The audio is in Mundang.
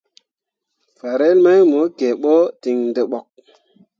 Farel mai mo kǝǝɓo ten dǝɓok.